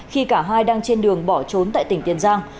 khi cả hai đang trên đường bỏ trốn tại tỉnh tiền giang